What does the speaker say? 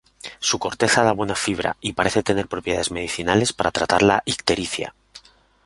Su corteza da buena fibra, y parece tener propiedades medicinales para tratar la ictericia.